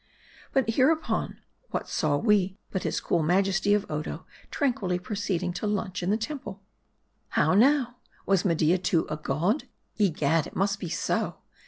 MARDI. 201 But hereupon, what saw we, but his cool majesty of Odo tranquilly proceeding to lunch in the temple ? How now ? Was Media too a god ? Egad, it must be so.